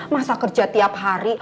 masa kerja tiap hari